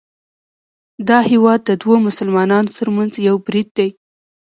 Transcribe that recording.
دا هیواد د دوو مسلمانانو ترمنځ یو برید دی